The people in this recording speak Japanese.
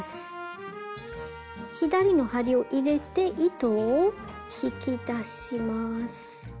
左の針を入れて糸を引き出します。